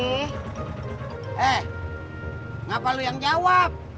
eh kenapa kamu yang jawab